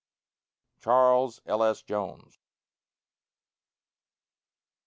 CHARLES L. S. JONES.